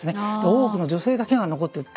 大奧の女性だけが残ってる。